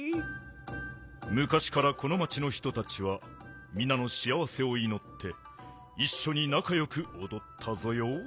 むかしからこの町の人たちはみなのしあわせをいのっていっしょになかよくおどったぞよ。